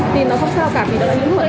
thì nó không sao cả vì nó đã bị uống rồi